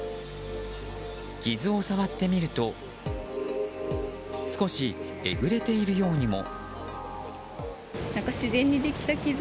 傷を触ってみると少しえぐれているようにも。